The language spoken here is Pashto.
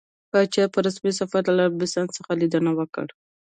پاچا په رسمي سفر له عربستان څخه ليدنه وکړه.